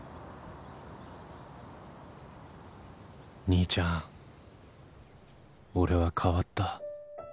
兄ちゃん俺は変わった